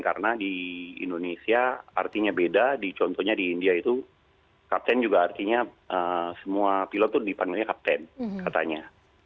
karena di indonesia artinya beda di contohnya di india itu kapten juga artinya semua pilot itu dipandangnya kapten katanya